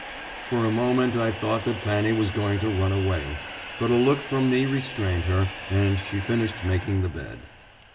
For a moment I thought that Fanny was going to run away, but a look from me restrained her, and she finished making the bed.